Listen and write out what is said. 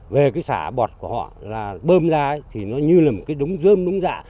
về cái xã bọt của họ là bơm ra thì nó như là một cái đống dơm đống dạ